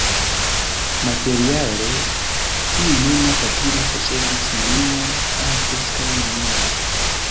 Materiale tiu juna patrino posedis nenion, aŭ preskaŭ nenion.